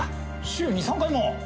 週２３回も！